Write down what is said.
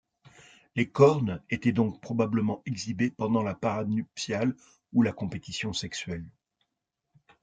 Les cornes étaient donc probablement exhibées pendant la parade nuptiale ou la compétition sexuelle.